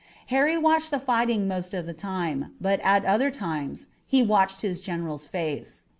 Harry watched the fighting most of the time, but at other times he watched his general's face.